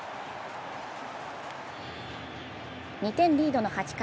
２点リードの８回。